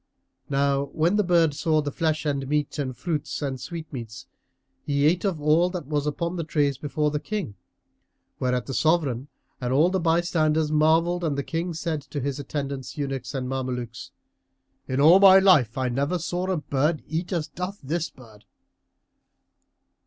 Now when the bird saw the flesh and meats and fruits and sweet meats, he ate of all that was upon the trays before the King, whereat the Sovran and all the bystanders marvelled and the King said to his attendants, eunuchs and Mamelukes, "In all my life I never saw a bird eat as doth this bird!"